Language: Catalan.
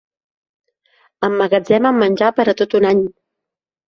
Emmagatzemen menjar per a tot un any.